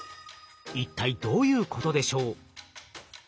一体どういうことでしょう？